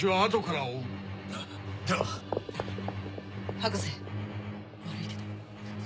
博士悪いけど。